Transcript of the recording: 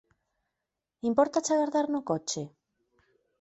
Impórtache agardar no coche?